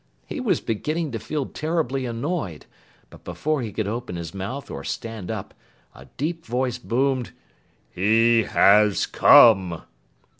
He was beginning to feel terribly annoyed, but before he could open his mouth or stand up, a deep voice boomed: "He has come!"